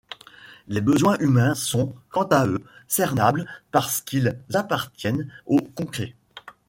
Les besoins humains sont, quant à eux, cernables parce qu'ils appartiennent au concret.